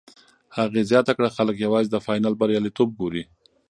هغې زیاته کړه، خلک یوازې د فاینل بریالیتوب ګوري.